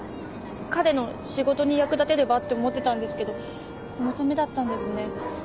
彼の仕事に役立てればって思ってたんですけどこのためだったんですね。